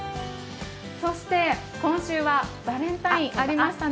そして今週はバレンタインがありましたね。